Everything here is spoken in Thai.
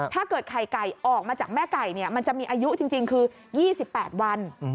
ถ้าเกิดไข่ไก่ออกมาจากแม่ไก่มันจะมีอายุจริงคือ๒๘วัน